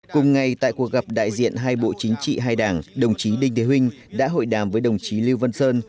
cùng ngày tại cuộc gặp đại diện hai bộ chính trị hai đảng đồng chí đinh thế huynh đã hội đàm với đồng chí lưu văn sơn